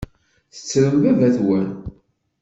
Tettrem baba-twen?